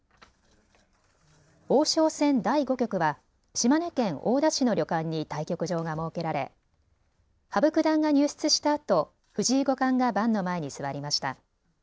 王将戦第５局は島根県大田市の旅館に対局場が設けられ羽生九段が入室したあと藤井五冠が盤の前に座りました。